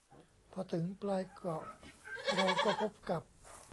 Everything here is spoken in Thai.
พอถึงปลายเกาะเราก็พบกับ